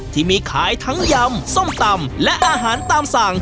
ที่มีขายทั้งยำส้มตำและอาหารตามสั่ง